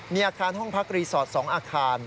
มีอาคารห้องพักรีสอร์ท๒อาคาร